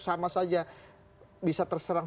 sama saja bisa terserang